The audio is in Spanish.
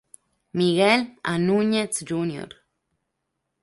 Miguel A. Núñez, Jr.